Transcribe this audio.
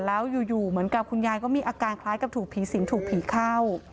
แล้วอยู่เหมือนกับคุณยายก็มีอาการคล้ายกับถูกผีสิงถูกผีเข้า